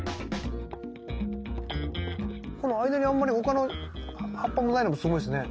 この間にあんまり他の葉っぱもないのもすごいですね。